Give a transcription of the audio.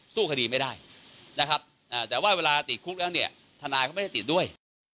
สู้คดีไม่ได้แต่ว่าเวลาติดคุกเรื่องทนายเขาไม่ได้ติดด้วย